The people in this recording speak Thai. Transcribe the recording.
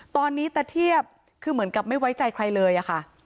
ตอนนี้ตะเทียบคือเหมือนกับไม่ไว้ใจใครเลยอะค่ะ